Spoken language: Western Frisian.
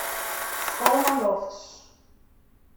Sko nei lofts.